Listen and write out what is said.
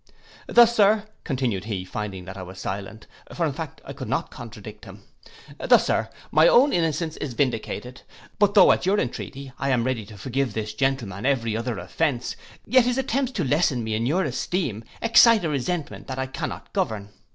Thus, Sir,' continued he, finding that I was silent, for in fact I could not contradict him, 'thus, Sir, my own innocence is vindicated; but though at your entreaty I am ready to forgive this gentleman every other offence, yet his attempts to lessen me in your esteem, excite a resentment that I cannot govern.